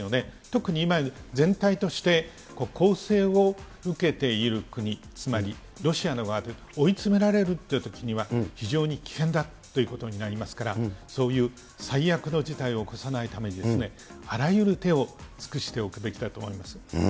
特に今、全体として攻勢を受けている国、つまりロシアの側、追い詰められるというときには、非常に危険だということになりますから、そういう最悪の事態を起こさないために、あらゆる手を尽くしておくべきだと思います。